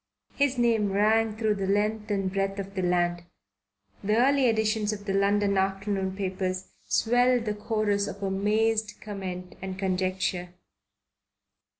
His name rang through the length and breadth of the land. The early editions of the London afternoon papers swelled the chorus of amazed comment and conjecture.